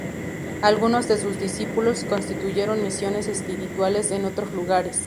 Algunos de sus discípulos constituyeron misiones espirituales en otros lugares.